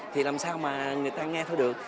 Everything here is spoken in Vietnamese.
thì làm sao mà người ta nghe thấy được